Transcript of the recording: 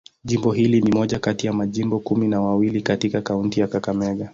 Jimbo hili ni moja kati ya majimbo kumi na mawili katika kaunti ya Kakamega.